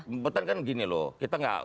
bebotan kan begini loh